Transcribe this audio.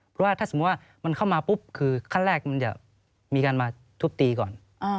เพราะว่าถ้าสมมุติว่ามันเข้ามาปุ๊บคือขั้นแรกมันจะมีการมาทุบตีก่อน